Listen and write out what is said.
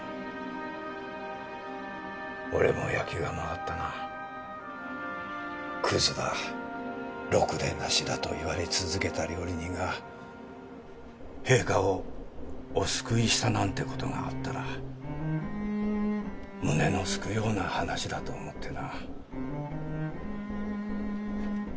俺も焼きが回ったなクズだろくでなしだと言われ続けた料理人が陛下をお救いしたなんてことがあったら胸のすくような話だと思ってな